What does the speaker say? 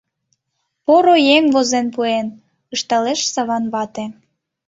Поро еҥ возен пуэн! — ышталеш Саван вате.